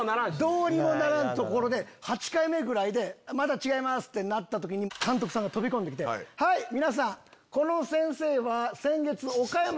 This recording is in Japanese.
どうにもならんところで８回目ぐらいで「また違います」ってなった時に監督さんが飛び込んできて「はい皆さん」。